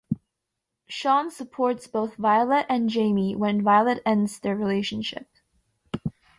Sean supports both Violet and Jamie when Violet ends their relationship.